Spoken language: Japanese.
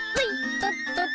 とっとっ。